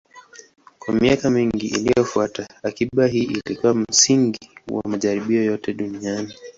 Kwa miaka mingi iliyofuata, akiba hii ilikuwa msingi wa majaribio yote duniani.